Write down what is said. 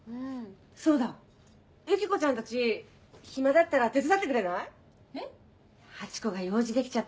そうだユキコちゃんたち暇だったら手伝ってくれない？えっ？